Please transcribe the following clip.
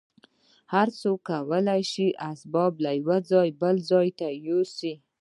هر کس کولای شي اسباب له یوه ځای بل ته یوسي